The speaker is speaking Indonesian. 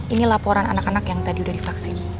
ini laporan anak anak yang tadi sudah divaksin